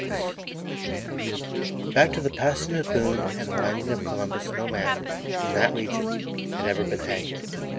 XXVI Back to the passing of Boone and the landing of Columbus no man, in that region, had ever been hanged.